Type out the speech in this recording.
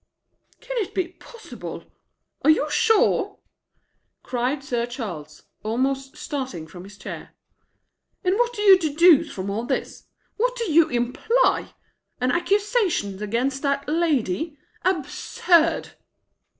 "Can it be possible? Are you sure?" cried Sir Charles, almost starting from his chair. "And what do you deduce from all this? What do you imply? An accusation against that lady? Absurd!"